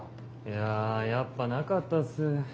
いややっぱなかったっす。